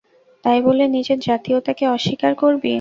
তাই বলে নিজের জাতীয়তাকে অস্বীকার করবি?